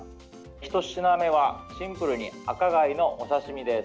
ひと品目は、シンプルに赤貝のお刺身です。